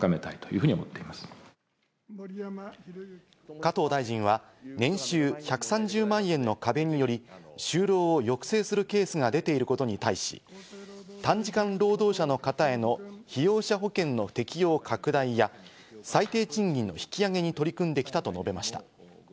加藤大臣は年収１３０万円の壁により、就労を抑制するケースが出ていることに対し、短時間労働者の方への被用者保険の適用拡大や最低賃金の引き上げに取り組んできたと述べました。